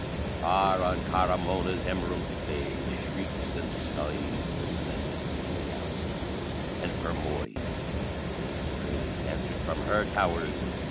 Far on Carah Mona's emerald plains Shrieks and sighs were blended many hours. And Fermoy in fitful strains Answered from her towers.